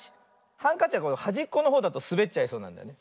ハンカチははじっこのほうだとすべっちゃいそうなんだよね。